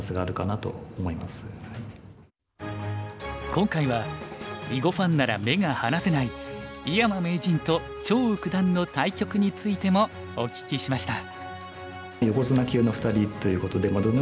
今回は囲碁ファンなら目が離せない井山名人と張栩九段の対局についてもお聞きしました。